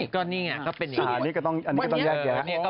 ก็นี่ไงก็เป็นอย่างนี้